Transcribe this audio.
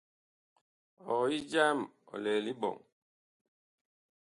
Ɔg yi jam ɔ lɛ liɓɔŋ.